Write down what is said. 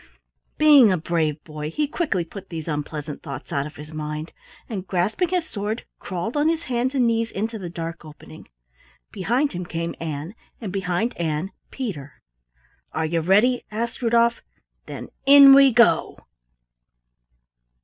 Being a brave boy, he quickly put these unpleasant thoughts out of his mind, and grasping his sword, crawled on his hands and knees into the dark opening. Behind him came Ann, and behind Ann, Peter. "Are you ready?" asked Rudolf. "Then in we go!"